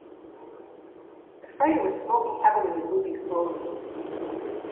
The freighter was smoking heavily and moving slowly.